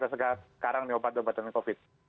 kita segar sekarang di obat obatan covid